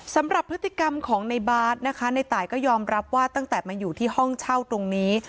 สำหรับพฤติกรรมของในบาร์ดนะคะในตายก็ยอมรับว่าตั้งแต่มาอยู่ที่ห้องเช่าตรงนี้